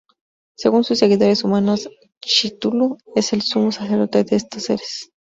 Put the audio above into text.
Según sus seguidores humanos, Cthulhu es el sumo sacerdote de estos seres.